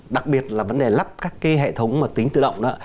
đặc biệt là vấn đề lắp các cái hệ thống tính tự động đó